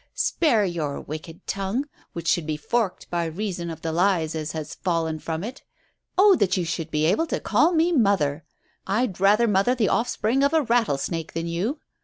"Spare your wicked tongue, which should be forked by reason of the lies as has fallen from it. Oh, that you should be able to call me 'mother.' I'd rather mother the offspring of a rattlesnake than you.